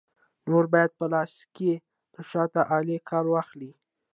نور باید په لاس کې له شته آلې کار واخلې.